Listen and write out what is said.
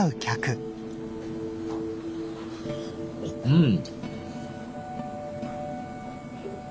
うん。